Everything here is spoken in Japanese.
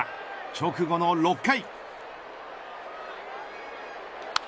直後の６回。